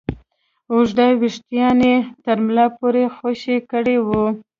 اوږده ويښته يې تر ملا پورې خوشې کړي وو.